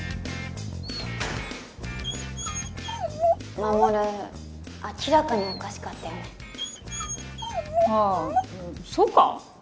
衛明らかにおかしかったよねああそうか？